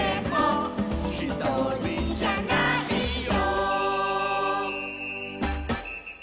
「ひとりじゃないよ」